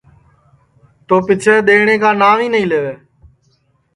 تو پیچھیں ڌينڻْيں کا ناو ہی نائی لَیووے